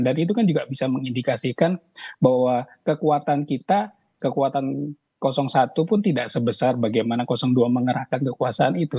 dan itu kan juga bisa mengindikasikan bahwa kekuatan kita kekuatan satu pun tidak sebesar bagaimana dua mengerahkan kekuasaan itu